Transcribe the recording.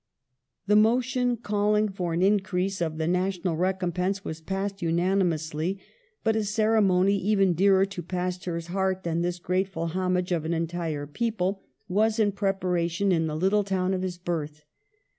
The motion calling for an increase of the na tional recompense was passed unanimously, but a ceremony even dearer to Pasteur's heart than this grateful homage of an entire people was 156 PASTEUR in preparation in the little town of his birth.